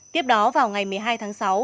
tiếp đó vào ngày một mươi hai tháng sáu